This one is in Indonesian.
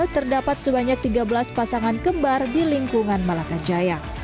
terdapat sebanyak tiga belas pasangan kembar di lingkungan malaccajaya